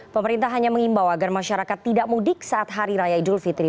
pemerintah hanya mengimbau agar masyarakat tidak mudik saat hari raya idul fitri